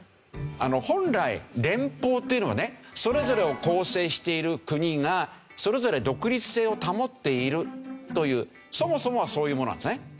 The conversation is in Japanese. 本来「連邦」というのはねそれぞれを構成している国がそれぞれ独立性を保っているというそもそもはそういうものなんですね。